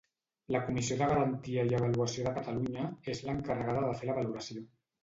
La Comissió de Garantia i Avaluació de Catalunya és l'encarregada de fer la valoració.